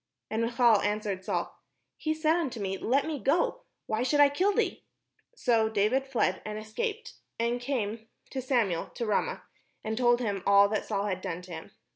And Michal answered Saul, "He said unto me. Let me go; why should I kill thee?" So David fled, and escaped, and came to Samuel to Ramah, and told him all that Saul had done to him.